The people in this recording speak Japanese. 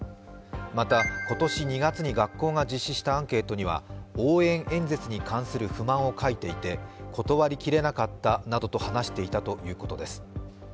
また今年２月に学校が実施したアンケートには応援演説に関する不満を書いていて断り切れなかったなどと話していたということです。